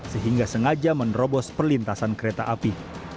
sehingga sengaja menerobos perlintasan kereta api